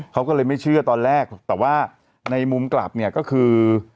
เขาก็เลยไม่เชื่อตอนแรกแต่ว่าในมุมกลับเนี่ยก็คือ